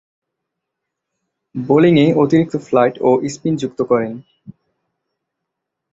বোলিংয়ে অতিরিক্ত ফ্লাইট ও স্পিন যুক্ত করেন।